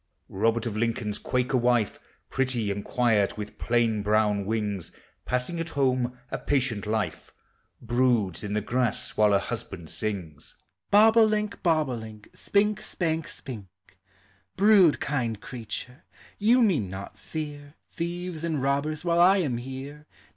Robert of Lincoln's Quaker wife, Pretty and quiet, with plain brown wings, ANIMATE NATURE. 311 Passing at home a patient life, Broods in the grass while her husband sings: Bob o' link, bob o' link, Spink, spank, spink; Brood, kind creature; you need not fear Thieves and robbers while I am here.